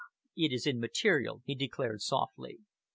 It is immaterial," he declared softly.